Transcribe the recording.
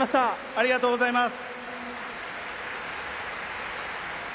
ありがとうございます。